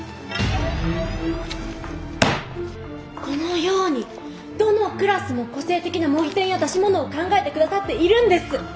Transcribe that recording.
このようにどのクラスも個性的な模擬店や出し物を考えて下さっているんです！